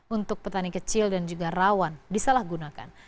untuk petani kecil dan juga rawan disalahgunakan